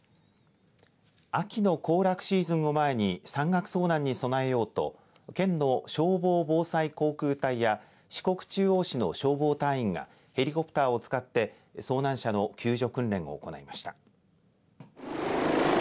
秋の行楽シーズンを前に山岳遭難に備えようと県の消防防災航空隊や四国中央市の消防隊員がヘリコプターを使って遭難者の救助訓練を行いました。